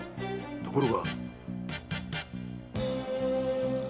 ところが。